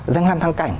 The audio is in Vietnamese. giang nam thăng cảnh